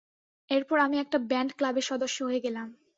এরপর আমি একটা ব্যান্ড ক্লাবের সদস্য হয়ে গেলাম।